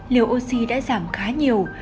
liều oxy đã giảm khá nhiều